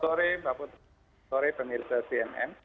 selamat sore pemirsa cnn